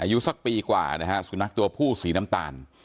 อายุสักปีกว่านะฮะสุนัขตัวผู้สีน้ำตาล